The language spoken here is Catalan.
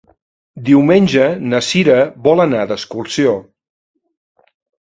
Diumenge na Sira vol anar d'excursió.